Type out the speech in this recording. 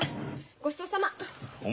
ごちそうさま。